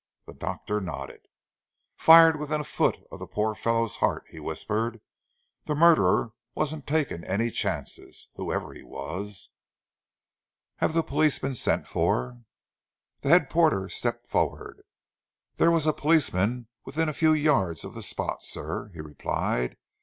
The doctor nodded. "Fired within a foot of the poor fellow's heart," he whispered. "The murderer wasn't taking any chances, whoever he was." "Have the police been sent for?" The head porter stepped forward. "There was a policeman within a few yards of the spot, sir," he replied.